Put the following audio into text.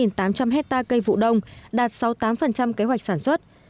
cây trồng được hơn sáu tám trăm linh hecta cây vụ đông đạt sáu mươi tám kế hoạch sản xuất